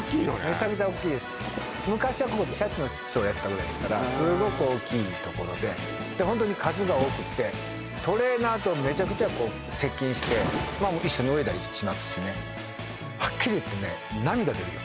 めちゃくちゃおっきいです昔はここでシャチのショーやってたぐらいですからすごく大きいところでホントに数が多くてトレーナーとめちゃくちゃ接近して一緒に泳いだりしますしねはっきり言ってね涙出るよ